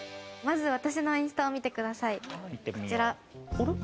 まず私のインスタを見てください。